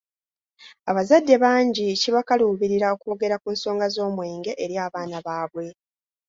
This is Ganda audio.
Abazadde bangi kibakaluubirira okwogera ku nsonga z’omwenge eri abaana baabwe.